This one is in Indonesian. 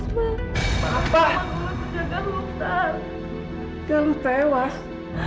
jika benar benar saya ini dikutuk karena kesalahan orang tua saya ki